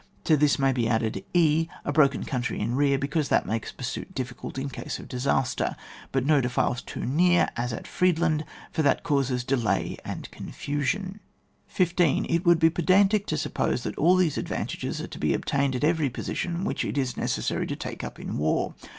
To this is to be added — {e) A broken country in rear, because that makes pursuit difficult in case of disaster; but no defiles too near (as at Friedland), for that causes delay and confusion. 1 5. It would be pedantic to suppose that all these advantages are to be obtained at every position which it is necessary to take up in war.